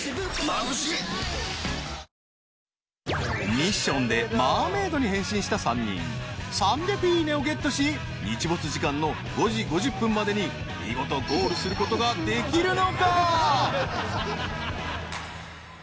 ミッションでマーメイドに変身した３人３００いいねをゲットし日没時間の５時５０分までに見事ゴールすることができるのか？